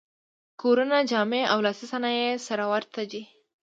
کورونه، جامې او لاسي صنایع یې سره ورته دي.